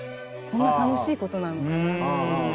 こんな楽しいことなのかなっていう。